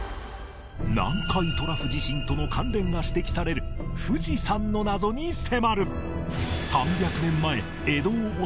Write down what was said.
南海トラフ地震との関連が指摘される富士山の謎に迫る